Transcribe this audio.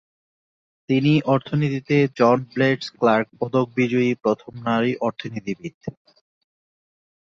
তিনি অর্থনীতিতে John Bates Clark পদক বিজয়ী প্রথম নারী অর্থনীতিবিদ।